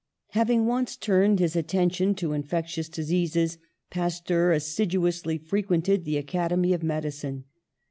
Having once turned his attention to infec tious diseases, Pasteur assiduously frequented the Academy of Medicine.